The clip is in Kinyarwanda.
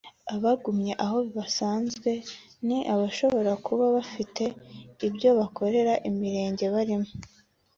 Abagumye aho bazanzwe ni abashobora kuba bagifite ibyo bakorera imirenge barimo